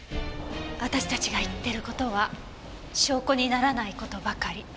私達が言ってる事は証拠にならない事ばかり。